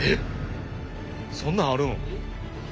そんなんあるん？